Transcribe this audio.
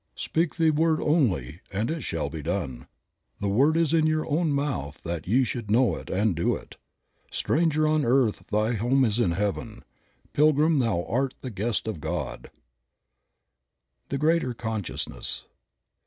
" "Speak the word only and it shall be done." "The word is in your own mouth that ye should know it and do it." "Stranger on earth, thy home is heaven; Pilgrim, thou art the guest of God." 26 Creative Mind. THE GREATER CONSCIOUSNESS.